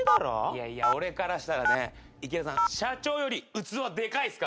いやいや俺からしたらね池田さん社長より器でかいっす。